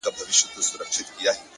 د فکر نظم د پرېکړې کیفیت لوړوي!